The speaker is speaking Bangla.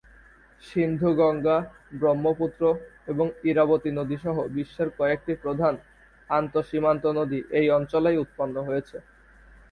সিন্ধু গঙ্গা, ব্রহ্মপুত্র এবং ইরাবতী নদী সহ বিশ্বের কয়েকটি প্রধান আন্তঃসীমান্ত নদী এই অঞ্চলেই উৎপন্ন হয়েছে।